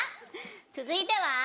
続いては。